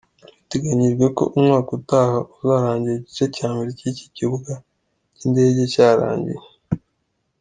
Biteganyijwe ko umwaka utaha uzarangira igice cya mbere cy’iki kibuga cy’indege cyarangiye.